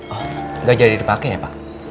oh nggak jadi dipakai ya pak